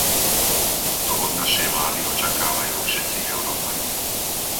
To od našej vlády očakávajú všetci Európania.